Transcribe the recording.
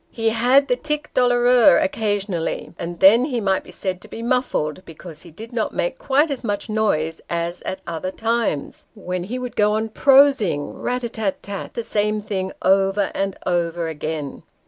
He had the tic doloureux occasionally, and then he might be said to be muffled, because he did not make quite as much noise as at other times, when he would go on prosing, rat tat tat the same thing over and over again.